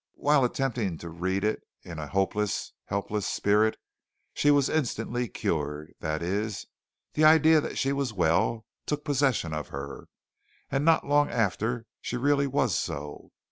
While attempting to read it in a hopeless, helpless spirit, she was instantly cured that is, the idea that she was well took possession of her, and not long after she really was so.